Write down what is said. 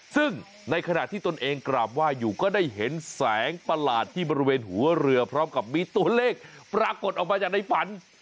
ซึ่งในขณะที่ตนเองกราบไหว้อยู่ก็ได้เห็นแสงประหลาดที่บริเวณหัวเรือพร้อมกับมีตัวเลขปรากฏออกมาจากในฝัน